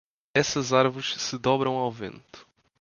Essas árvores se dobram ao vento.